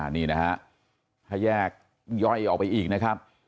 นี่นะฮะถ้าแยกย่อยออกไปอีกนะครับ